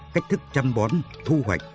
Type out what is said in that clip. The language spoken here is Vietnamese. cách thức chăm bón thu hoạch